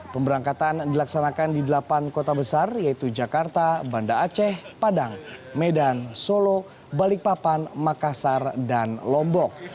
pemberangkatan dilaksanakan di delapan kota besar yaitu jakarta banda aceh padang medan solo balikpapan makassar dan lombok